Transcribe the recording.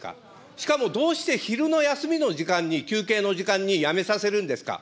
しかもどうして昼の休みの時間に、休憩の時間に辞めさせるんですか。